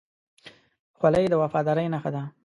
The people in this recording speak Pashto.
خولۍ د وفادارۍ نښه ده.